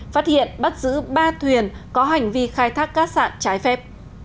phát hiện bắt giữ ba thuyền có hành vi khai thác cát sạn trái phép